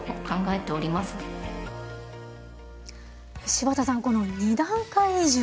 柴田さんこの二段階移住